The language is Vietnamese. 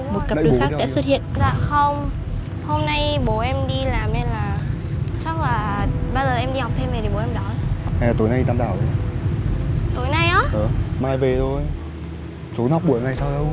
một cặp đứa khác đã xuất hiện